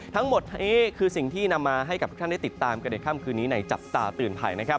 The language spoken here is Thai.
ทั้งหมดคือสิ่งที่นำมาให้ทุกท่านได้ติดตามกระเด็นข้ามคืนนี้ในจับตาตื่นภัย